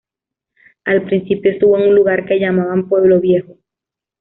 Al principio estuvo en un lugar que llamaban "Pueblo Viejo".